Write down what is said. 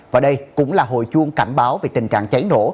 và đây cũng là hồi chuông cảnh báo về tình trạng cháy nổ